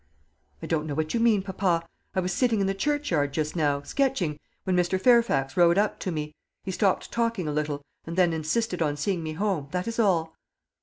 "I don't know what you mean, papa. I was sitting in the churchyard just now, sketching, when Mr. Fairfax rode up to me. He stopped talking a little, and then insisted on seeing me home. That is all."